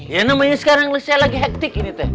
ya namanya sekarang saya lagi hektik ini teh